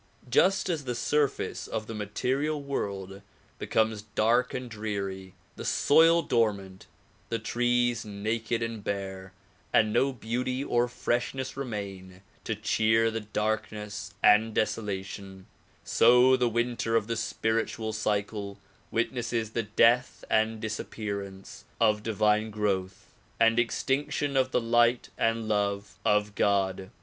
Just as the surface of the material world becomes dark and dreary, the soil dormant, the trees naked and bare and no beauty or freshness remain to cheer the darkness and desolation, so the winter of the spiritual cycle witnesses the death and disappearance of divine growth and extinction of the light and love of God.